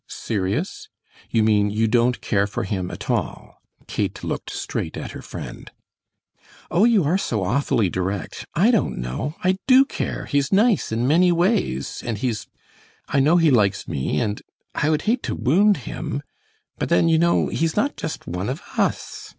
"Serious? You mean you don't care for him at all?" Kate looked straight at her friend. "Oh, you are so awfully direct. I don't know. I do care; he's nice in many ways, and he's I know he likes me and I would hate to wound him, but then you know he's not just one of us.